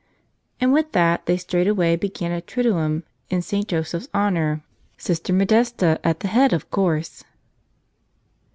And with that they straightway began a triduum in St. Jo¬ seph's honor, Sister Modesta at the head, of course.